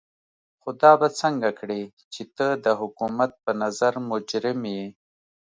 خو دا به څنګه کړې چې ته د حکومت په نظر مجرم يې.